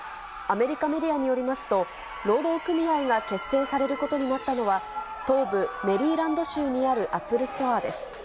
アメリカメディアによりますと、労働組合が結成されることになったのは、東部メリーランド州にあるアップルストアです。